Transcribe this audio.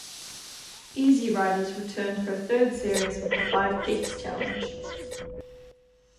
"Easy Riders" returned for a third series with The Five Peaks challenge.